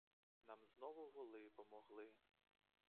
Нам знову воли помогли.